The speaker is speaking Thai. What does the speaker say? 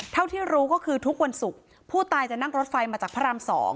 เท่าที่รู้ก็คือทุกวันศุกร์ผู้ตายจะนั่งรถไฟมาจากพระราม๒